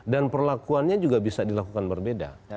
dan perlakuannya juga bisa dilakukan berbeda